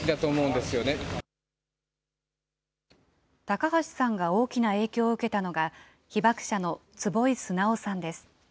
高橋さんが大きな影響を受けたのが、被爆者の坪井直さんです。